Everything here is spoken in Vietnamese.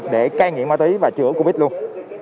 để cây nghiện ma túy và dương tính với covid